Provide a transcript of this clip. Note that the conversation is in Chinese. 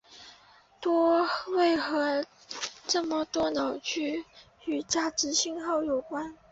为何这么多脑区与价值信号有关。